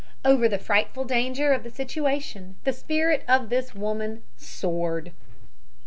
Over the frightful danger of the situation the spirit of this woman soared.